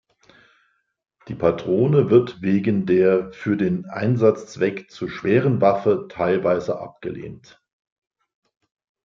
Die Patrone wird wegen der für den Einsatzzweck zu schweren Waffen teilweise abgelehnt.